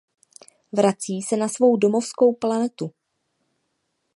Vrací se na svou domovskou planetu.